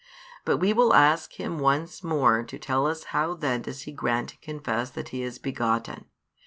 But we will ask him once more to tell us how then does he grant and confess that He is begotten?